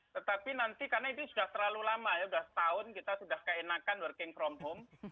tetapi nanti karena itu sudah terlalu lama ya sudah setahun kita sudah keenakan working from home